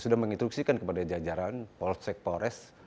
sudah menginstruksikan kepada jajaran polsek polres